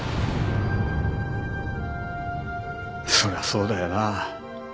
そりゃそうだよな。